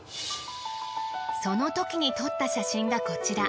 そのときに撮った写真がこちら。